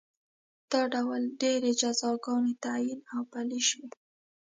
دا ډول ډېرې جزاګانې تعین او پلې شوې